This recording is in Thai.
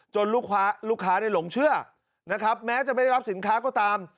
ลูกค้าได้หลงเชื่อนะครับแม้จะไม่ได้รับสินค้าก็ตาม